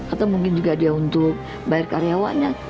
atau mungkin juga dia untuk bayar karyawannya